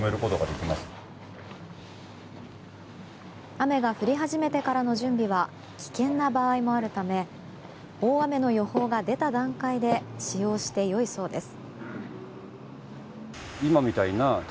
雨が降り始めてからの準備は危険な場合もあるため大雨の予報が出た段階で使用して良いそうです。